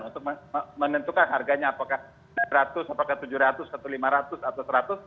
untuk menentukan harganya apakah seratus tujuh ratus lima ratus atau seratus